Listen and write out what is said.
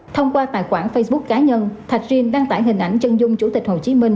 thông qua tài khoản facebook cá nhân thạch riêng đăng tải hình ảnh chân dung chủ tịch hồ chí minh